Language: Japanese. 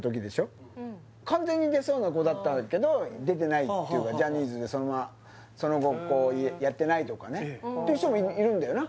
うん完全に出そうな子だったけど出てないっていうかジャニーズでそのままその後やってないとかねって人もいるんだよな